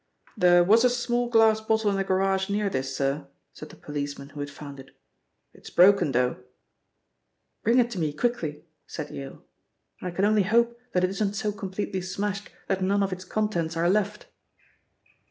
"There was a small glass bottle in the garage near this, sir," said the policeman who had found it, "it is broken, though." "Bring it to me quickly," said Yale. "And I can only hope that it isn't so completely smashed that none of its contents are left."